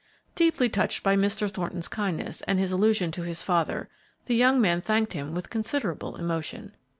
Deeply touched by Mr. Thornton's kindness and his allusion to his father, the young man thanked him with considerable emotion.